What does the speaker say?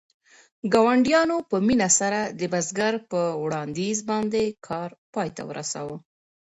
ګاونډیانو په مینه سره د بزګر په وړاندیز باندې کار پای ته ورساوه.